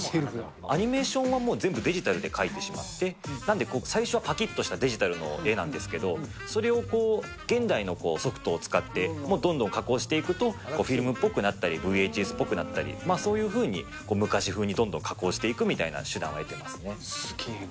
アニメーションはもう全部デジタルで描いてしまって、なんでこう、最初はぱきっとしたデジタルの絵なんですけど、それを現代のソフトを使ってどんどん加工していくと、フィルムっぽくなったり、ＶＨＳっぽくなったり、そういうふうに昔風にどんどん加工していすげえな。